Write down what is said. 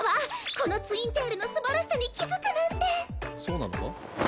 このツインテールのすばらしさに気づくなんてそうなのか？